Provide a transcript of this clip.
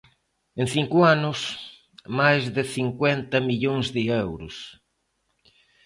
En cinco anos, máis de cincuenta millóns de euros.